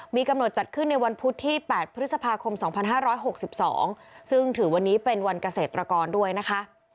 มีกำหนดจัดขึ้นในวันพุธที่แปดพฤษภาคมสองพันห้าร้อยหกสิบสองซึ่งถือวันนี้เป็นวันเกษตรกรด้วยนะคะ